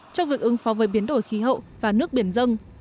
trong việc ứng phó với biến đổi khí hậu và nước biển dân